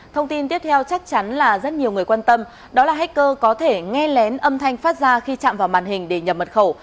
thông tin tiếp theo chắc chắn là rất nhiều người quan tâm đó là hacker có thể nghe lén âm thanh phát ra khi chạm vào màn hình để nhập mật khẩu